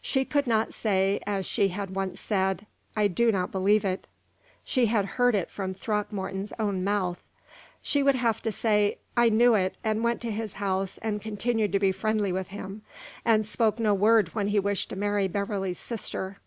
She could not say, as she had once said, "I do not believe it." She had heard it from Throckmorton's own mouth. She would have to say, "I knew it, and went to his house, and continued to be friendly with him, and spoke no word when he wished to marry Beverley's sister."